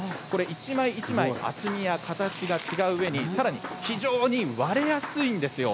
一枚一枚、厚みや形が違ううえに非常に割れやすいんですよ。